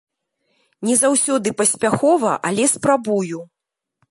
Не заўсёды паспяхова, але спрабую.